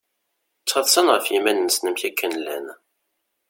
Ttaḍsan ɣef yiman-nsen amek akken llan.